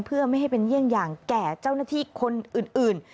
เพื่อไม่ให้เป็นเยี่ยงอย่างแก่เจ้าหน้าที่คนอื่น